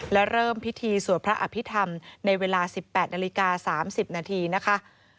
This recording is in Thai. และเริ่มพิธีสวดพระอภิษฐรรมในเวลา๑๘นาฬิกา๓๐นาทีนะคะ